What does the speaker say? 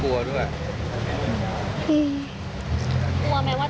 กลัวว่าไปโดนซ้ำอะไรอย่างนี้